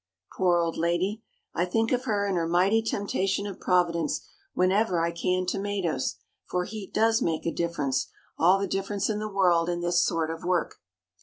Poor old lady! I think of her and her mighty temptation of Providence whenever I can tomatoes, for heat does make a difference—all the difference in the world in this sort of work.